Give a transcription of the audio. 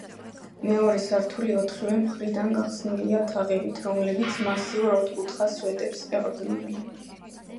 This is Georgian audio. მეორე სართული ოთხივე მხრიდან გახსნილია თაღებით, რომლებიც მასიურ, ოთხკუთხა სვეტებს ეყრდნობიან.